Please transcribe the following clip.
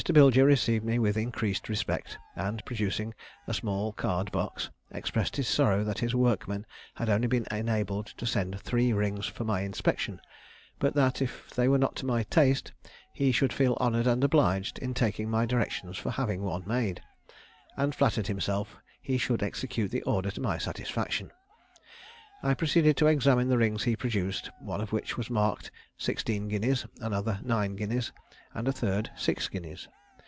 Bilger received me with increased respect, and, producing a small card box, expressed his sorrow that his workmen had only been enabled to send three rings for my inspection; but that, if they were not to my taste, he should feel honoured and obliged in taking my directions for having one made, and flattered himself he should execute the order to my satisfaction. I proceeded to examine the rings he produced, one of which was marked sixteen guineas, another nine guineas, and the third six guineas.